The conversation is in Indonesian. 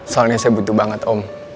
soalnya saya butuh banget om